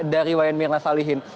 dari wayan mirna salihin